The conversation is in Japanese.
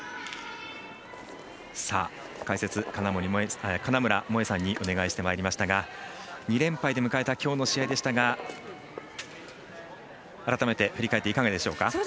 解説、金村萌絵さんにお願いしてまいりましたが２連敗で迎えたきょうの試合でしたが改めて振り返っていかがでしょうか。